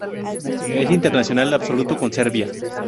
Es internacional absoluto con Serbia.